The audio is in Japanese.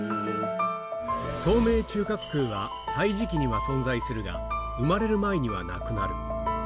透明中隔腔は胎児期には存在するが、生まれる前にはなくなる。